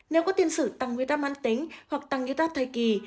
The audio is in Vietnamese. nếu có tiền sử tăng nguyên tắc mạng tính hoặc tăng nguyên tắc thai kỳ